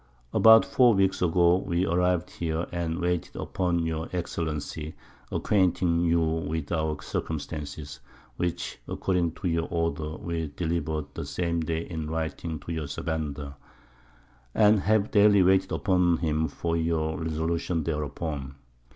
_About four Weeks ago we arriv'd here, and waited upon your Excellency, acquainting you with our Circumstances, which according to your Order we delivered the same Day in Writing to your_ Sabandar, _and have daily waited upon him for your Resolution thereupon.